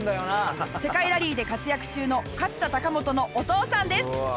世界ラリーで活躍中の勝田貴元のお父さんです。